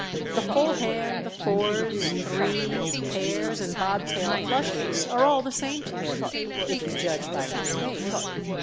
The full hand, the fours, threes, pairs and bob tail flushes are all the same to him, if you judge by his face.